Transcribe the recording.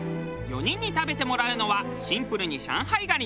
４人に食べてもらうのはシンプルに上海蟹の姿蒸し。